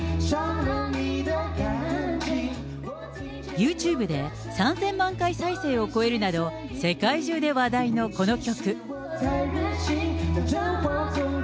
ユーチューブで３０００万回再生数を超えるなど、世界中で話題のこの曲。